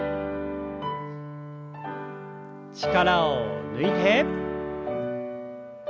力を抜いて。